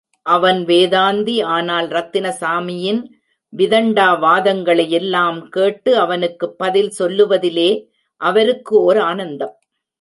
அவன் வேதாந்தி ஆனால் ரத்தினசாமியின் விதண்டாவாதங்களையெல்லாம் கேட்டு, அவனுக்குப் பதில் சொல்லுவதிலே அவருக்கு ஓர் ஆனந்தம்.